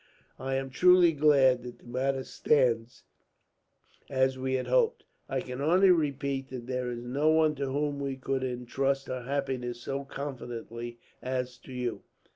"I am truly glad that the matter stands as we had hoped. I can only repeat that there is no one to whom we could intrust her happiness so confidently as to you."